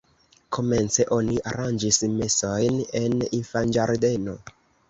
Komence oni aranĝis mesojn en infanĝardeno.